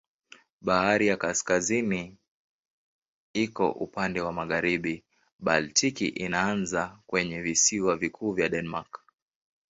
Bahari ya Kaskazini iko upande wa magharibi, Baltiki inaanza kwenye visiwa vikuu vya Denmark.